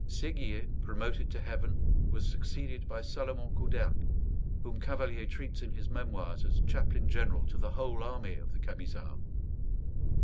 Séguier, promoted to heaven, was succeeded by Salomon Couderc, whom Cavalier treats in his memoirs as chaplain general to the whole army of the Camisards.